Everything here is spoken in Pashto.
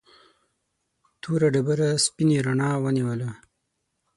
توره ډبره سپینې رڼا ونیوله.